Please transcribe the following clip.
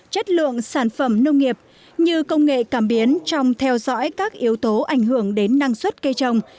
chất lượng sản phẩm nông nghiệp như công nghệ cảm biến trong theo dõi các yếu tố ảnh hưởng đến năng suất cây trồng